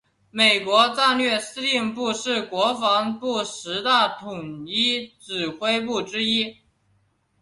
美国战略司令部是国防部十大统一指挥部之一。